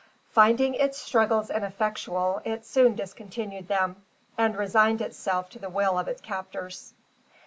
Finding its struggles ineffectual, it soon discontinued them, and resigned itself to the will of its captors.